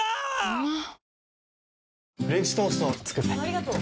うまっ！！